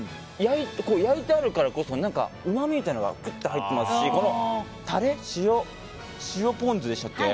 焼いてあるからこそうまみみたいなのがぐって入ってますしこのタレ、塩ポン酢でしたっけ。